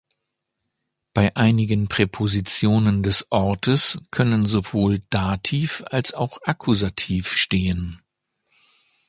Bei einigen Präpositionen des Ortes können sowohl Dativ als auch Akkusativ stehen.